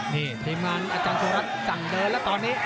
นี่ทีมงานอาจารย์สุรัตน์สั่งเดินแล้วตอนนี้